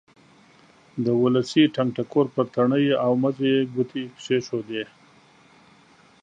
د ولسي ټنګ ټکور پر تڼیو او مزو یې ګوتې کېښودې.